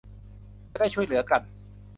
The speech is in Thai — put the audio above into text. จะได้ช่วยเหลือกัน